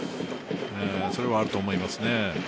それはあると思いますね。